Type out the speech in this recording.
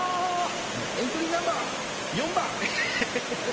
エントリーナンバー４番えへへへへ。